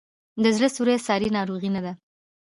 د زړه سوری ساري ناروغي نه ده.